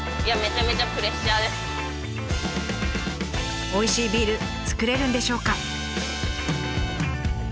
おいしいビールつくれるんでしょうか？